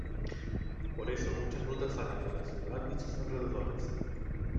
Por eso muchas rutas salen de la ciudad y sus alrededores.